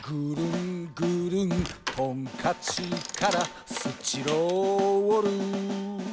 「トンカチからスチロール」